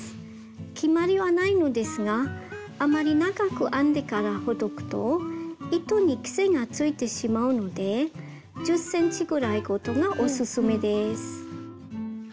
決まりはないのですがあまり長く編んでからほどくと糸に癖がついてしまうので１０ｃｍぐらいごとがオススメです。